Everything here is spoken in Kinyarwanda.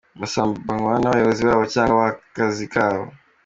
Basambanywa n’abayobozi babo cyangwa ababaha akazi.